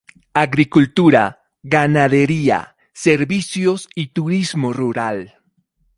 Agricultura, ganadería, servicios y turismo rural.